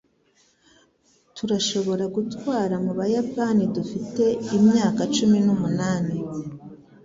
Turashobora gutwara mu Buyapani dufite imyaka cumi n'umunani.